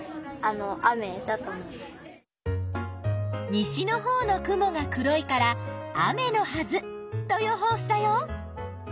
西のほうの雲が黒いから雨のはずと予報したよ。